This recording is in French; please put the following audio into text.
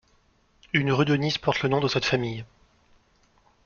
Une rue de Nice porte le nom de cette famille.